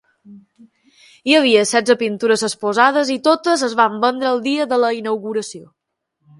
Hi havia setze pintures exposades i totes es van vendre el dia de la inauguració.